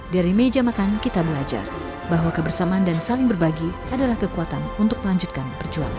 dari meja makan kita belajar bahwa kebersamaan dan saling berbagi adalah kekuatan untuk melanjutkan perjuangan